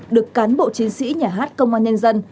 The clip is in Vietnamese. được cán bộ chiến sĩ nhà hát công an nhân dân